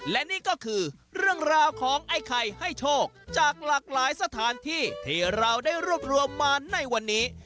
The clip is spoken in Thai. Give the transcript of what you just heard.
และนี่ก็คือเรื่องราวของไอ้ไข่ให้โชคจากหลากหลายสถานที่ที่เราได้รวบรวมมาในวันนี้